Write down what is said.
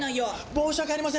申し訳ありません！